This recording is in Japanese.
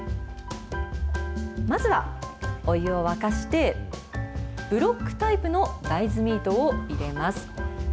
まずは、お湯を沸かして、ブロックタイプの大豆ミートを入れます。